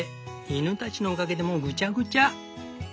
犬たちのおかげでもうぐちゃぐちゃ。